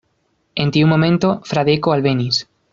En tiu momento Fradeko alvenis.